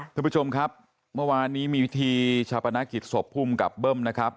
ท่านผู้ชมครับเมื่อวานนี้มีพิธีชาปนกิจศพภูมิกับเบิ้มนะครับ